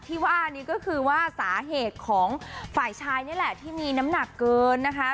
ที่ว่านี้ก็คือว่าสาเหตุของฝ่ายชายนี่แหละที่มีน้ำหนักเกินนะคะ